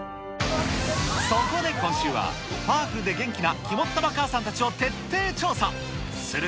そこで今週は、パワフルで元気な肝っ玉母さんたちを徹底調査。